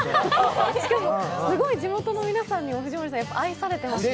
しかも、地元の皆さんにも藤森さん、愛されていますね。